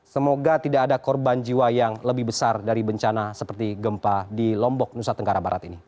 semoga tidak ada korban jiwa yang lebih besar dari bencana seperti gempa di lombok nusa tenggara barat ini